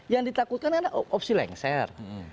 yang ditakutkan adalah opsi lengser